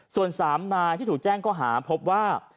ส่วน๓นายที่ถูกแจ้งก็หาพบว่า